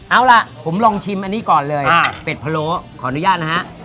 เอาล่ะผมลองชิมอันนี้ก่อนเลยเป็ดพะโล้ขออนุญาตนะฮะ